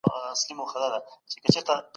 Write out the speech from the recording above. لس جمع يو؛ يوولس کېږي.